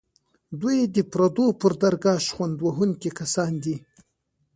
دوی د پردو پر درګاه شخوند وهونکي کسان دي.